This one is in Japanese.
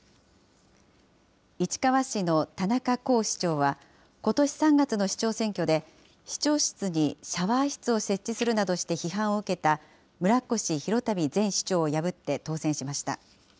市川市の田中甲市長は、ことし３月の市長選挙で、市長室にシャワー室を設置するなどして批判を受けた村越祐民前市長を破って、当選しました。